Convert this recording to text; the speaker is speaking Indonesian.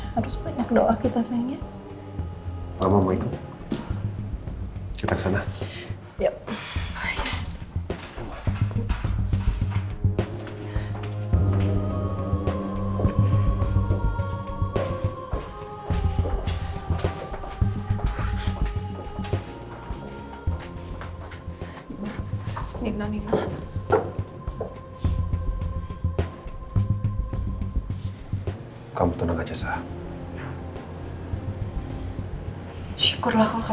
harus banyak doa kita sayang ya